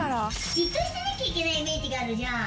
じっとしてなきゃいけないイメージがあるじゃん。